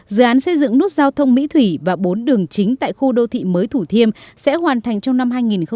dự án xây dựng nút giao thông mỹ thủy và bốn đường chính tại khu đô thị mới thủ thiêm sẽ hoàn thành trong năm hai nghìn hai mươi